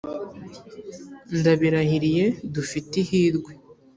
Ndabirahiriye dufite ihirwe